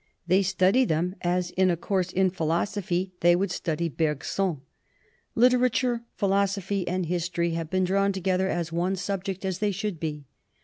They study them as in a course in philosophy they would study Bergson. Literature, philosophy, and history have been drawn together as one sub ject, as they should be."